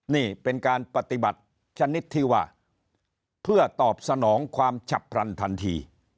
นี่เป็นการปฏิบัติชนิดที่ว่าเพื่อตอบสนองความฉับพลันทันที